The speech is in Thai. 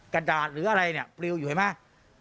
กระดาษหรืออะไรเนี่ยปลิวอยู่เห็นไหม